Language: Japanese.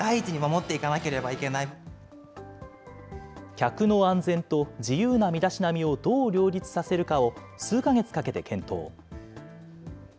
客の安全と自由な身だしなみをどう両立させるかを、数か月かけて検討。